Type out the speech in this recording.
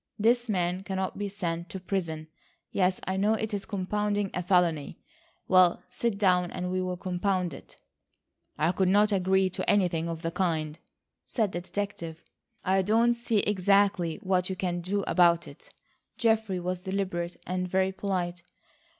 This man cannot be sent to prison. Yes, I know, it is compounding a felony. Well, sit down, and we'll compound it." "I could not agree to anything of the kind," said the detective. "I don't see exactly what you can do about it." Geoffrey was deliberate and very polite.